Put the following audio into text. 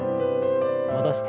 戻して。